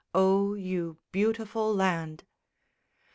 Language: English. _O, you beautiful land!